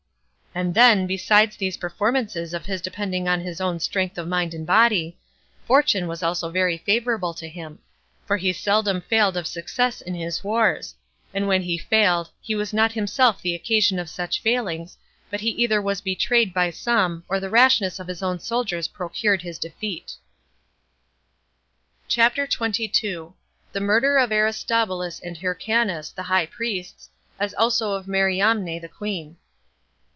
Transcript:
And then, besides these performances of his depending on his own strength of mind and body, fortune was also very favorable to him; for he seldom failed of success in his wars; and when he failed, he was not himself the occasion of such failings, but he either was betrayed by some, or the rashness of his own soldiers procured his defeat. CHAPTER 22. The Murder Of Aristobulus And Hyrcanus, The High Priests, As Also Of Mariamne The Queen.